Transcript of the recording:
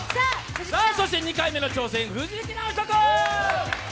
そして２回目の挑戦、藤木直人君。